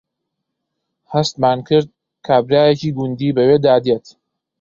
هەستمان کرد کابرایەکی گوندی بەوێدا دێت